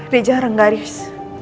di jarang garis